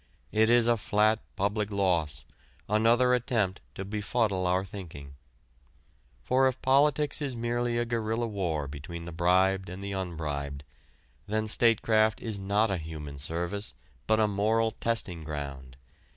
It is a flat public loss, another attempt to befuddle our thinking. For if politics is merely a guerilla war between the bribed and the unbribed, then statecraft is not a human service but a moral testing ground.